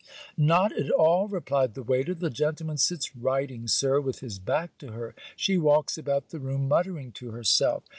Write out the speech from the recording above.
'Not at all,' replied the waiter. 'The gentleman sits writing, Sir, with his back to her. She walks about the room, muttering to herself.